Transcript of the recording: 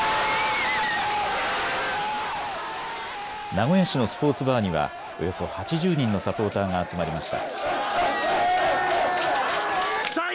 名古屋市のスポーツバーにはおよそ８０人のサポーターが集まりました。